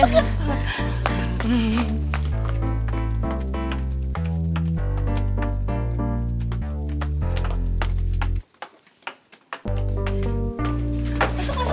masuk masuk masuk